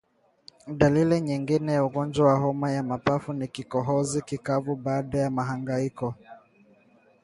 Dalili nyingine ya ugonjwa wa homa ya mapafu ni kikohozi kikavu baada ya mahangaiko